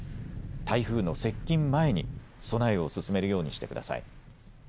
台風の接近前に備えを進めるようにしてください。